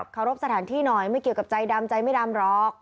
เคารพสถานที่หน่อยไม่เกี่ยวกับใจดำใจไม่ดำหรอก